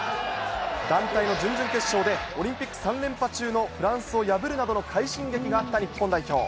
団体の準々決勝でオリンピック３連覇中のフランスを破るなどの快進撃があった日本代表。